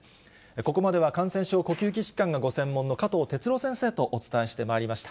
ここまでは感染症、呼吸器疾患がご専門の加藤哲朗先生とお伝えしてまいりました。